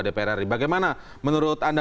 dpr ri bagaimana menurut anda